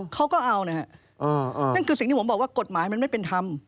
เขาก็เอานะฮะนั่นคือสิ่งที่ผมบอกว่ากฎหมายมันไม่เป็นธรรม